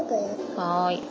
はい。